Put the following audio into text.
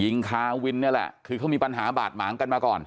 คาวินนี่แหละคือเขามีปัญหาบาดหมางกันมาก่อน